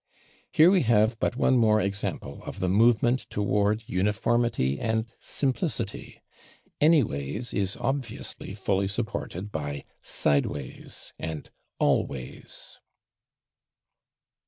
Here we have but one more example of the movement toward uniformity and simplicity. /Anyways/ is obviously fully supported by /sideways/ and /always